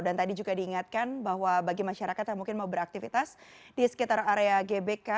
dan tadi juga diingatkan bahwa bagi masyarakat yang mungkin mau beraktivitas di sekitar area gbk